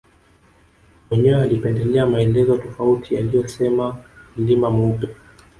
Mwenyewe alipendelea maelezo tofauti yaliyosema mlima mweupe